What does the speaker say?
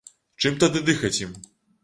Чым тады дыхаць ім?